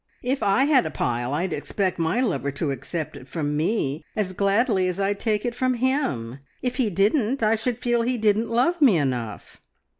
"If I had a pile, I'd expect my lover to accept it from me as gladly as I'd take it from him. If he didn't, I should feel he didn't love me enough."